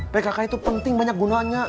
pkk itu penting banyak gunanya